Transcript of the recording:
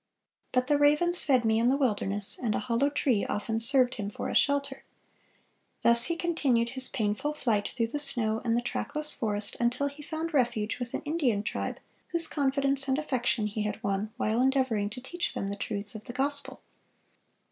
But "the ravens fed me in the wilderness," and a hollow tree often served him for a shelter.(444) Thus he continued his painful flight through the snow and the trackless forest, until he found refuge with an Indian tribe whose confidence and affection he had won while endeavoring to teach them the truths of the gospel.